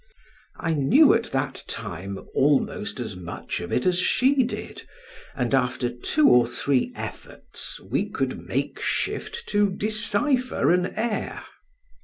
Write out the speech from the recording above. I knew at that time almost as much of it as she did, and after two or three efforts, we could make shift to decipher an air.